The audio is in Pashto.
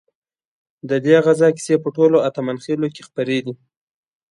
ددې غزا کیسې په ټولو اتمانخيلو کې خپرې دي.